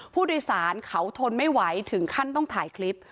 ผู้โดยสารเขาทนไม่ไหวถึงขั้นต้องถ่ายคลิป